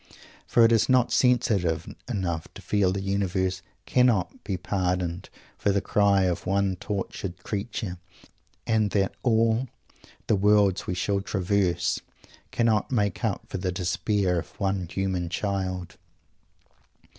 For it is not sensitive enough to feel that the Universe cannot be pardoned for the cry of one tortured creature, and that all "the worlds we shall traverse" cannot make up for the despair of one human child.